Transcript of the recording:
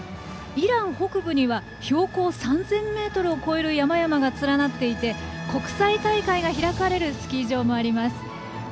イラン北部には標高３０００ｍを超える山々が連なっていて国際大会が開かれるスキー場もあります。